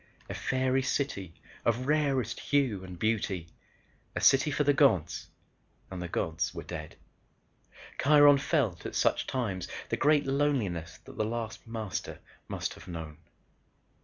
A fairy city of rarest hue and beauty. A city for the Gods and the Gods were dead. Kiron felt, at such times, the great loneliness that the last Master must have known.